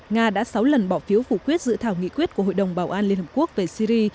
nga đã sáu lần bỏ phiếu phủ quyết dự thảo nghị quyết của hội đồng bảo an liên hợp quốc về syri